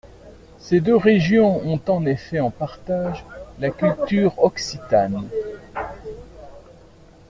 Ces deux régions ont en effet en partage la culture occitane.